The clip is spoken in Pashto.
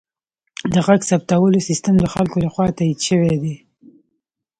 د غږ ثبتولو سیستم د خلکو لخوا تایید شوی دی.